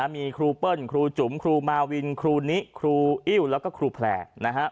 มีครูเปิ้ลครูจุ๋มครูมาวินครูนิครูอิ้วแล้วก็ครูแพลร์